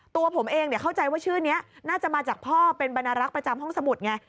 ตัวผมเองเข้าใจว่าชื่อนี้น่าจะมาจากพ่อเป็นบรรณรักษ์ประจำห้องสมุดไง